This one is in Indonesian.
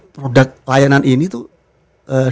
produk layanan ini tuh